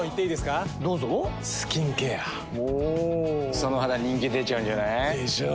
その肌人気出ちゃうんじゃない？でしょう。